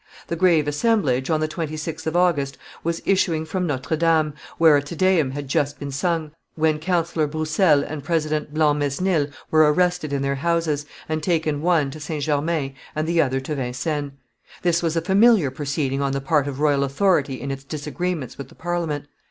The grave assemblage, on the 26th of August, was issuing from Notre Dame, where a Te Deum had just been sung, when Councillor Broussel and President Blancmesnil were arrested in their houses, and taken one to St. Germain and the other to Vincennes. This was a familiar proceeding on the part of royal authority in its disagreements with the Parliament.